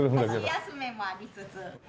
箸休めもありつつ。